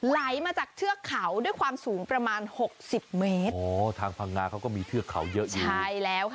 ไหลมาจากเทือกเขาด้วยความสูงประมาณหกสิบเมตรอ๋อทางพังงาเขาก็มีเทือกเขาเยอะอยู่ใช่แล้วค่ะ